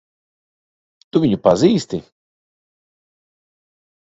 Tu viņu pazīsti?